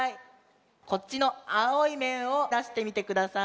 こっちのあおいめんをだしてみてください。